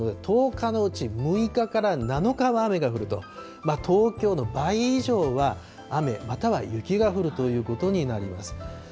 １０日のうち６日から７日は雨が降ると、東京の倍以上は雨、または雪が降るということになります。